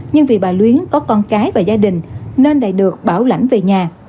nhưng vì bà luyến có con cái và gia đình nên lại được bảo lãnh về nhà